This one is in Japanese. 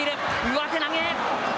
上手投げ。